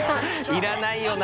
いらないよな